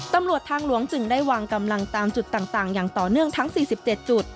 ตำรวจทางหลวงจึงได้วางกำลังตามจุดต่างอย่างต่อเนื่องทั้ง๔๗จุด